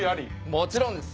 もちろんです。